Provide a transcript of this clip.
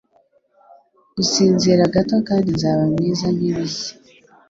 Gusinzira gato kandi nzaba mwiza nkibishya.